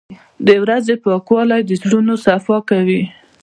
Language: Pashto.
• د ورځې پاکوالی د زړونو صفا کوي.